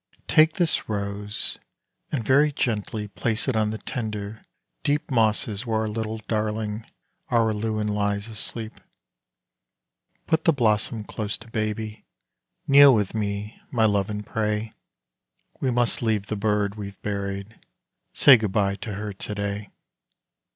Take this rose, and very gently place it on the tender, deep Mosses where our little darling, Araluen, lies asleep. Put the blossom close to baby kneel with me, my love, and pray; We must leave the bird we've buried say good bye to her to day.